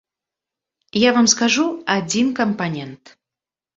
Я вам скажу адзін кампанент.